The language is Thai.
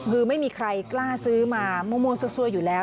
คือไม่มีใครกล้าซื้อมามั่วซั่วอยู่แล้ว